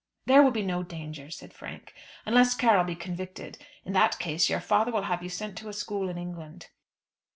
"There will be no danger," said Frank, "unless Carroll be convicted. In that case your father will have you sent to a school in England."